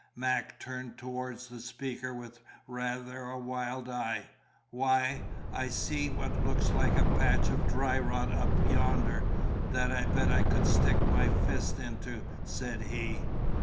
Mac turned towards the speaker with rather a wild eye. "Why, I see what looks like a patch of dry rot up yonder, that I bet I could stick my fist into," said he.